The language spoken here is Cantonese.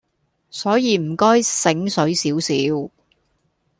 所以唔該醒水少少